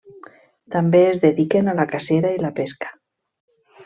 També es dediquen a la cacera i la pesca.